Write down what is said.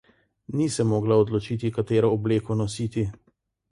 Ni se mogla odločiti, katero obleko nositi.